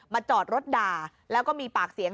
จอดรถด่าแล้วก็มีปากเสียง